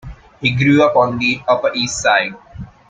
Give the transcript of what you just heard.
He grew up on the Upper East Side.